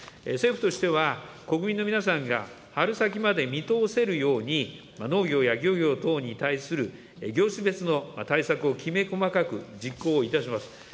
政府としては、国民の皆さんが春先まで見通せるように、農業や漁業等に対する業種別の対策をきめ細かく実行いたします。